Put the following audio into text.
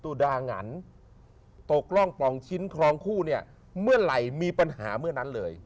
ตุดาหงันตกร่องปล่องชิ้นคลองคู่เนี่ยเมื่อไหร่มีปัญหาเมื่อนั้นเลย